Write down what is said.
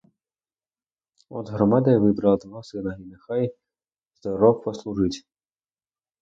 От громада й вибрала твого сина, і нехай здоров послужить!